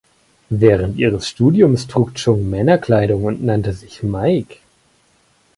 Während ihres Studiums trug Chung Männerkleidung und nannte sich "Mike".